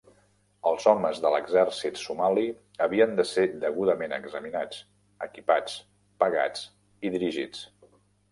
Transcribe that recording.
Els homes de l'exèrcit somali havien de ser degudament examinats, equipats, pagats i dirigits.